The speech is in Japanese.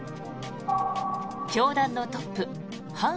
教団のトップハン